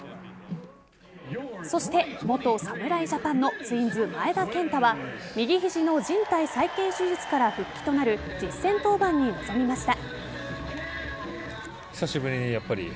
そして、元侍ジャパンのツインズ・前田健太は右肘の靭帯再建手術から復帰となる実戦登板に臨みました。